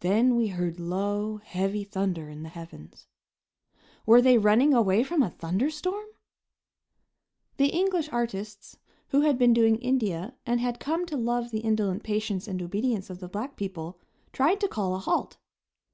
Then we heard low, heavy thunder in the heavens. Were they running away from a thunder storm? The English artists, who had been doing India and had come to love the indolent patience and obedience of the black people, tried to call a halt.